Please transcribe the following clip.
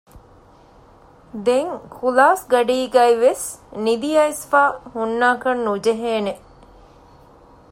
ދެން ކުލާސްގަޑީގައިވެސް ނިދިއައިސްފައި ހުންނާކަށް ނުޖެހޭނެ